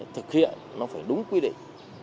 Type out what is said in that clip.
thực hiện nó phải đúng quy định